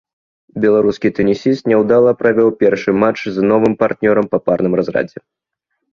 Беларускі тэнісіст няўдала правёў першы матч з новым партнёрам па парным разрадзе.